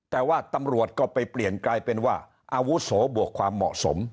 แต่ว่าตำรวจก็ไปเปลี่ยนกลายเป็นว่าอาวุโสบวกความเหมาะสม